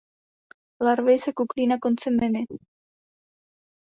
Larvy se kuklí na konci miny.